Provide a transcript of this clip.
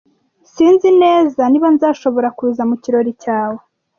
Sinzi neza niba nzashobora kuza mu kirori cyawe.